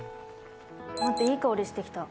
待っていい香りしてきた。